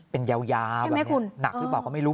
เป็นยาวแบบนี้หนักหรือเปล่าก็ไม่รู้